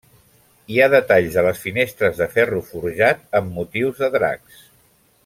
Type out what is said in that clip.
Hi ha detalls de les finestres de ferro forjat amb motius de dracs.